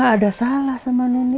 aku gak ada salah sama noni